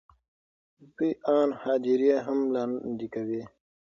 دوی آن هدیرې هم لاندې کوي.